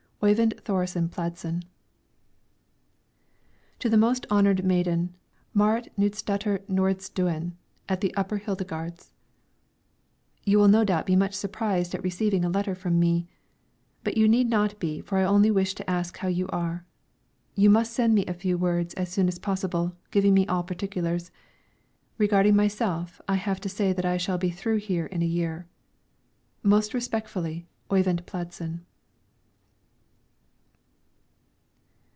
OYVIND THORESEN PLADSEN. TO THE MOST HONORED MAIDEN, MARIT KNUDSDATTER NORDISTUEN AT THE UPPER HEIDEGARDS: You will no doubt be much surprised at receiving a letter from me; but you need not be for I only wish to ask how you are. You must send me a few words as soon as possible, giving me all particulars. Regarding myself, I have to say that I shall be through here in a year. Most respectfully, OYVIND PLADSEN.